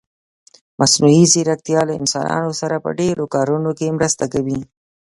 مصنوعي ځيرکتيا له انسانانو سره په ډېرو کارونه کې مرسته کوي.